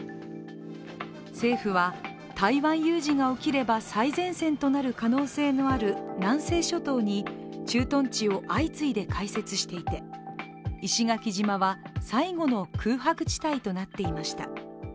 政府は台湾有事が起きれば最前線となる可能性のある南西諸島に駐屯地を相次いで開設していて石垣島は、最後の空白地帯となっていました。